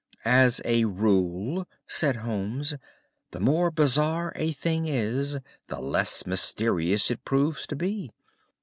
"As a rule," said Holmes, "the more bizarre a thing is the less mysterious it proves to be.